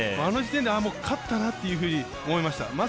あの時点で、もう勝ったなというふうに思いました。